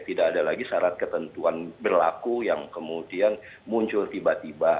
tidak ada lagi syarat ketentuan berlaku yang kemudian muncul tiba tiba